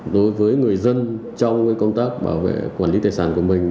đối với người dân trong công tác bảo vệ quản lý tài sản của mình